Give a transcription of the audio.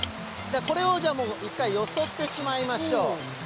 これを一回よそってしまいましょう。